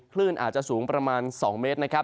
คลื่นอาจจะสูงประมาณ๒เมตรนะครับ